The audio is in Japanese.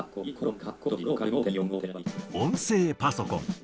音声パソコン。